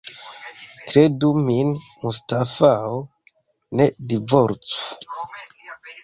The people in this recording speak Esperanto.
Kredu min, Mustafao, ne divorcu.